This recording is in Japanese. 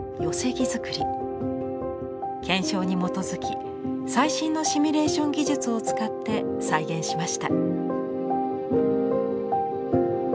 検証に基づき最新のシミュレーション技術を使って再現しました。